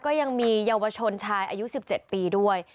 ก็ยังมีเยาวชนชายอายุ๑๗ปีด้วย